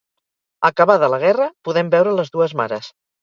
Acabada la guerra, podem veure les dues mares.